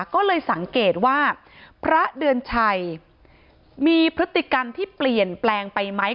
ก็เลยสังเกตว่าพระเดือนชัยมีพฤติกรรมที่เปลี่ยนแปลงไปไหม